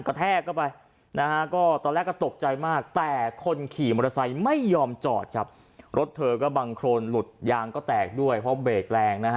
ก็แตกด้วยเพราะเบรกแรงนะฮะ